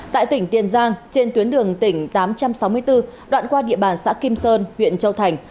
tại tỉnh tiền giang trên tuyến đường tỉnh tám trăm sáu mươi bốn đoạn qua địa bàn xã kim sơn huyện châu thành